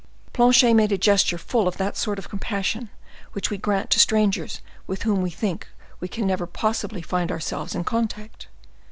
Planchet made a gesture full of that sort of compassion which we grant to strangers with whom we think we can never possibly find ourselves in contact.